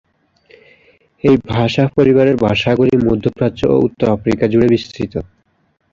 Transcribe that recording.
এই ভাষা পরিবারের ভাষাগুলি মধ্যপ্রাচ্য ও উত্তর আফ্রিকা জুড়ে বিস্তৃত।